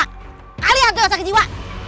kalian tuh yang sakit jiwa